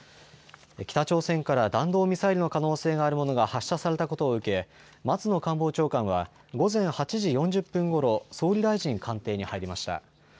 北朝鮮から弾道ミサイルの可能性があるものが発射されたことを受け、松野官房長官は午前８時４０分ごろ、総理大臣官邸に入りました。